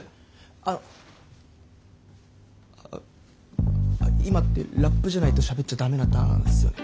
あっ今ってラップじゃないとしゃべっちゃ駄目なターンっすよね？